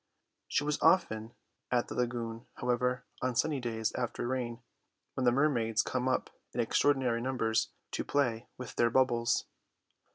She was often at the lagoon, however, on sunny days after rain, when the mermaids come up in extraordinary numbers to play with their bubbles.